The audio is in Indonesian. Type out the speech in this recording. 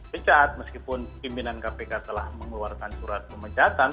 pecat meskipun pimpinan kpk telah mengeluarkan surat pemecatan